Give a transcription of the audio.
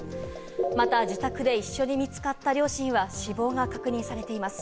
また自宅で一緒に見つかった両親は死亡が確認されています。